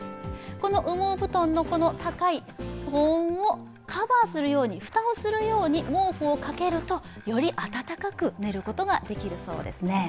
この羽毛布団の高い保温をカバーするように、蓋をするように毛布をかけると、より暖かく寝ることができるそうです。